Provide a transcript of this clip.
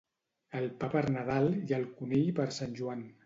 El pa per Nadal i el conill per Sant Joan.